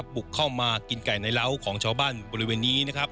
บุกเข้ามากินไก่ในร้าวของชาวบ้านบริเวณนี้